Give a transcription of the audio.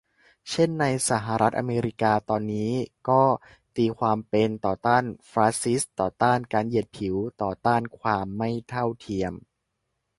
เช่นในสหรัฐอเมริกาตอนนี้ ก็ตีความเป็น ต่อต้านฟาสซิสต์ ต่อต้านการเหยียดผิว ต่อต้านความไม่เท่าเทียม